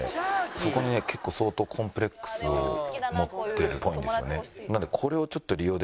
そこにね結構相当コンプレックスを持ってるっぽいんですよね。